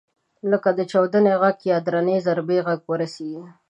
لکه د چاودنې غږ یا درنې ضربې غږ ورسېږي.